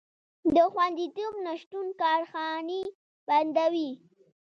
د خوندیتوب نشتون کارخانې بندوي.